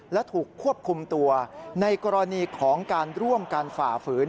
และถูกควบคุมตัวในกรณีของการร่วมกันฝ่าฝืน